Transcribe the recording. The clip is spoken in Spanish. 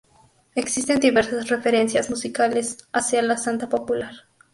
Existen diversas referencias musicales hacía la santa popular.